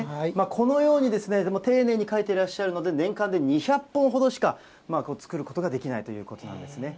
このように、丁寧に描いてらっしゃるので、年間で２００本ほどしか作ることができないということなんですね。